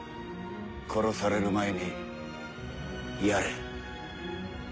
殺される前に殺れ！